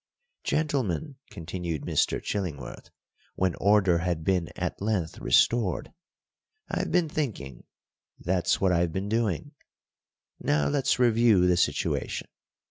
"Gentlemen," continued Mr. Chillingworth, when order had been at length restored, "I've been thinking, that's what I've been doing. Now let's review the situation.